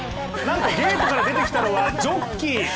なんと、ゲートから出てきたのはジョッキー。